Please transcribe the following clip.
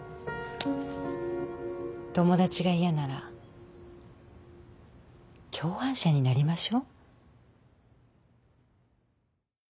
友達が嫌なら共犯者になりましょ？